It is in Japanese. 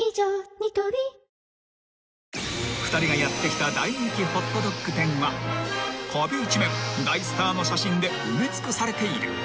ニトリ［２人がやって来た大人気ホットドッグ店は壁一面大スターの写真で埋め尽くされている］